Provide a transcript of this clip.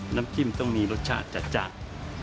น้ำจิ้มต้องมีรสชาติจัดจ้าน